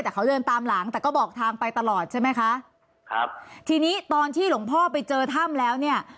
แต่เขาเดินตามหลังแต่ก็บอกทางไปตลอดใช่ไหมคะครับทีนี้ตอนที่หลวงพ่อไปเจอถ้ำแล้วเนี่ย